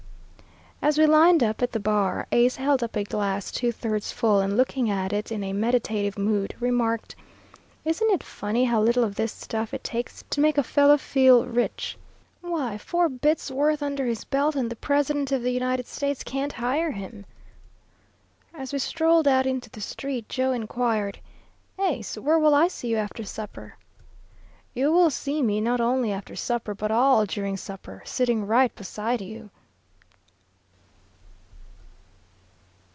As we lined up at the bar, Ace held up a glass two thirds full, and looking at it in a meditative mood, remarked: "Isn't it funny how little of this stuff it takes to make a fellow feel rich! Why, four bits' worth under his belt, and the President of the United States can't hire him." As we strolled out into the street, Joe inquired, "Ace, where will I see you after supper?" "You will see me, not only after supper, but all during supper, sitting right beside you."